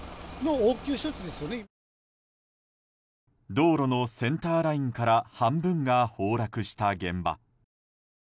道路のセンターラインから半分が崩落した現場。